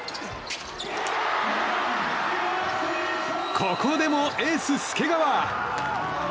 ここでもエース、介川！